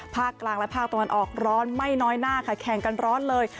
ภาคกลางและภาคตะวันออกร้อนไม่น้อยหน้าค่ะแข่งกันร้อนเลย